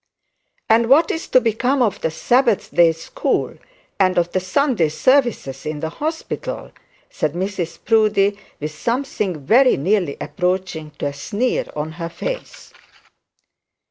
'And what is to become of the Sabbath day school, and of the Sunday services in the hospital?' said Mrs Proudie, with something very nearly approaching to a sneer on her face.